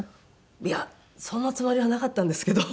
いやそんなつもりはなかったんですけど。